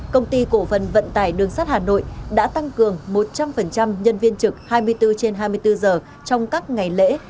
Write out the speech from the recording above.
công ty cổ phần vận tải đường sắt hà nội đã tăng cường một trăm linh nhân viên trực hai mươi bốn trên hai mươi bốn giờ trong các ngày lễ